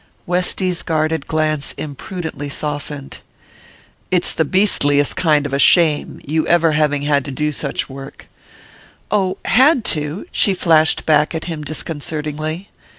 Westy's guarded glance imprudently softened. "It's the beastliest kind of a shame, your ever having had to do such work " "Oh, had to?" she flashed back at him disconcertingly.